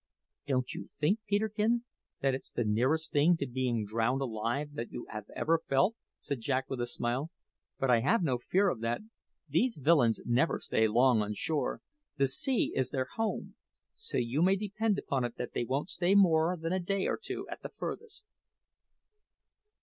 "Don't you think, Peterkin, that it's the nearest thing to being drowned alive that you ever felt?" said Jack with a smile. "But I have no fear of that. These villains never stay long on shore. The sea is their home, so you may depend upon it that they won't stay more than a day or two at the furthest."